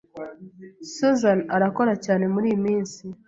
Susan arakora cyane muriyi minsi.